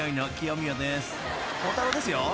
［幸太郎ですよはい］